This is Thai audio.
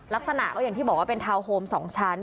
ลักษณะก็อย่างที่บอกว่าเป็นทาวน์โฮม๒ชั้น